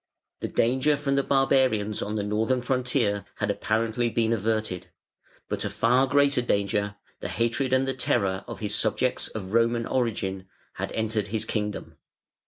The danger from the barbarians on the northern frontier had apparently been averted, but a far greater danger, the hatred and the terror of his subjects of Roman origin, had entered his kingdom.